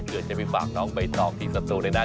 เพื่อจะไปฝากน้องใบตองที่ศัตรูเลยนะ